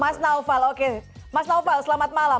mas naufal oke mas naufal selamat malam